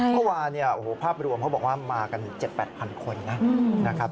เมื่อวานเนี่ยภาพรวมเขาบอกว่ามันมากัน๗๐๐๐๘๐๐๐คนนะครับ